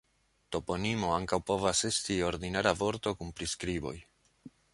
Toponimo ankaŭ povas esti ordinara vorto kun priskriboj.